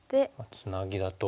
ツナギだと。